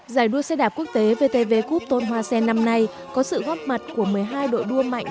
giải đua xe đạp quốc tế vtv cup tôn hoa sen năm nay có sự góp mặt của một mươi hai đội đua mạnh